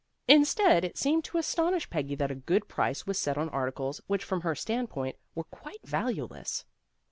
Instead, it seemed to the astonished Peggy that a good price was set on articles which from her stand point were quite valueless.